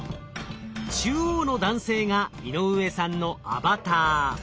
中央の男性が井上さんのアバター。